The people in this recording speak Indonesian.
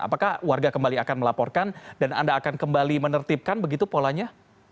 apakah warga kembali akan melaporkan dan anda akan kembali menertibkan begitu polanya